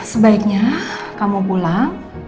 sebaiknya kamu pulang